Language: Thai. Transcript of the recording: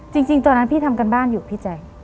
จริงตอนนั้นพี่ทำการบ้านอยู่พี่แจ๊ค